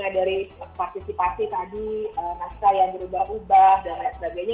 dari partisipasi tadi naskah yang berubah ubah dan lain sebagainya